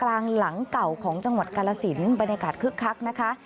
หลังเก่าของจังหวัดกาลสินบรรยากาศคึกคักนะคะ